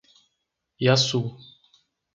Iaçu